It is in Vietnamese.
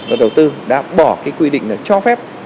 và đầu tư đã bỏ cái quy định cho phép